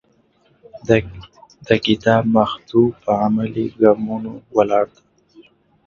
د کتاب محتوا په عملي ګامونو ولاړه ده.